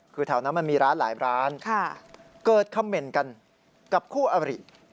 คือแถวนั้นมันมีร้านหลายร้านเกิดคำเหม็นกันกับคู่อริ